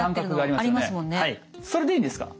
それでいいですか？